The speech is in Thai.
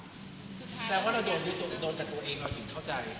แปลว่าเราโดนกับตัวเองเราถึงเข้าใจ